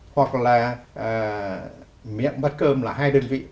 hoặc là miệng bát cơm là hai đơn vị